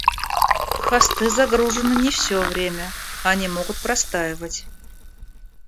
Хосты загружены не все время, они могут простаивать